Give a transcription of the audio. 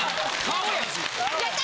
やった！